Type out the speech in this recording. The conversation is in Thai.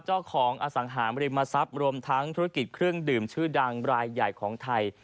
เจ้าของอสังหาริมทรัพย์รวมทั้งธุรกิจเครื่องดื่มชื่อดังรายใหญ่ของไทย